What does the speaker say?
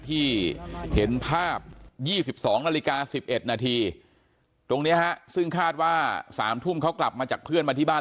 ที่เห็นภาพ๒๒นาฬิกา๑๑นาทีตรงนี้ฮะซึ่งคาดว่า๓ทุ่มเขากลับมาจากเพื่อนมาที่บ้าน